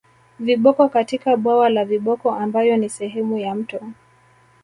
Viboko katika bwawa la viboko ambayo ni sehemu ya mto